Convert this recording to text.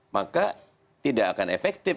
maka tidak akan efektif